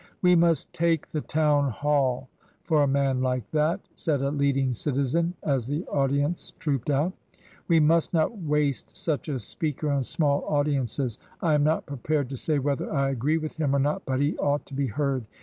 " We must take the Town Hall for a man like that," said a leading citizen as the audience trooped out ;" we must not waste such a speaker on small audiences. I am not prepared to say whether I agree with him or not, but he ought to be heard.